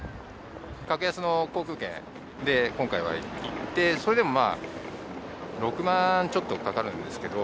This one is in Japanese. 格安の航空券で今回は行ってそれでも６万ちょっとかかるんですけど。